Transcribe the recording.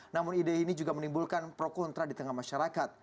namun ide ini juga menimbulkan pro kontra di tengah masyarakat